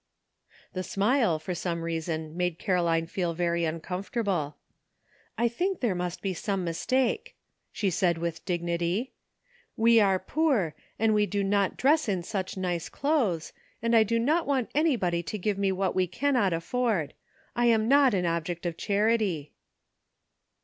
The smile, for some reason, made Caroline feel very uncomfortable. '' I think there must be some mistake," she said, with dignity; "we are poor, and do not dress in such nice clothes, and I do not want anybody to give me what we cannot afford. I am not an object of charity."